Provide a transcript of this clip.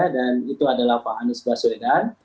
dan itu adalah pak anies baswedan